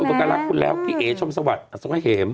มีคนอุปการะคุณแล้วพี่เอ๋ชมสวัสดิ์สวัสดิ์เห็ม